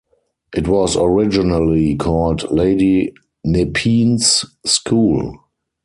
It was originally called Lady Nepean's School.